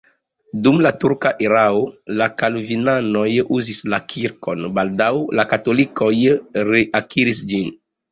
Dum la turka erao la kalvinanoj uzis la kirkon, baldaŭ la katolikoj reakiris ĝin.